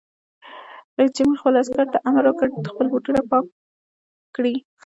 رئیس جمهور خپلو عسکرو ته امر وکړ؛ خپل بوټونه پاک کړئ!